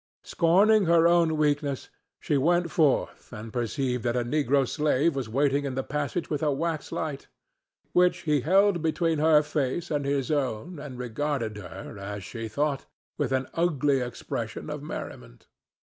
Scorning her own weakness, she went forth and perceived that a negro slave was waiting in the passage with a waxlight, which he held between her face and his own and regarded her, as she thought, with an ugly expression of merriment.